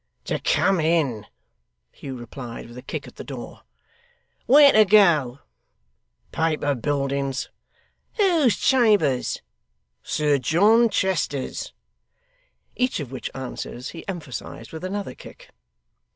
'To come in,' Hugh replied, with a kick at the door. 'Where to go?' 'Paper Buildings.' 'Whose chambers?' 'Sir John Chester's.' Each of which answers, he emphasised with another kick.